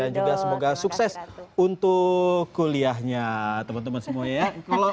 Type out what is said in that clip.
dan juga semoga sukses untuk kuliahnya teman teman semuanya ya